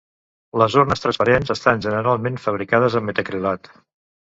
Les urnes transparents estan generalment fabricades en metacrilat.